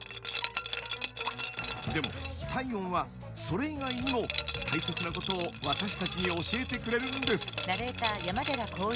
でも体温はそれ以外にも大切なことを私たちに教えてくれるんです！